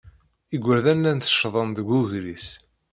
Igerdan llan teccḍen ɣef ugris.